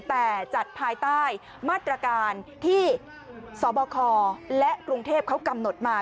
แต่จัดภายใต้มาตรการที่สบคและกรุงเทพเขากำหนดมา